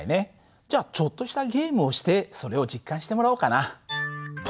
じゃあちょっとしたゲームをしてそれを実感してもらおうかな。